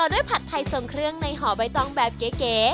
ผัดไทยทรงเครื่องในห่อใบตองแบบเก๋